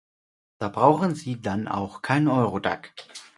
Da brauchen sie dann auch kein Eurodac.